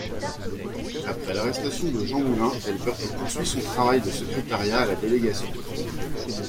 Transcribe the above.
Après l'arrestation de Jean Moulin, elle poursuit son travail de secrétariat à la délégation.